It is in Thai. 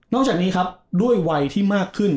จากนี้ครับด้วยวัยที่มากขึ้น